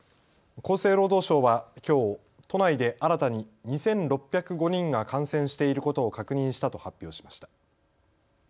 厚生労働省はきょう都内で新たに２６０５人が感染していることを確認したと発表しました。